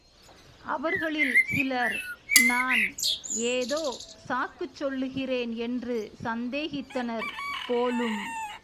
அவர்களில் சிலர் நான் ஏதோ சாக்குச் சொல்லுகிறேன் என்று சந்தேகித்தனர் போலும்.